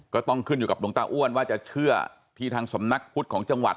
ก็ต้องขึ้นอยู่กับหลวงตาอ้วนว่าจะเชื่อที่ทางสำนักพุทธของจังหวัด